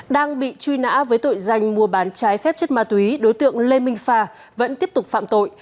đang bị truy nã với tội danh mua bán trái phép chất ma túy đối tượng lê minh phà vẫn tiếp tục phạm tội